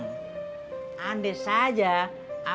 tidak ada yang bisa diberikan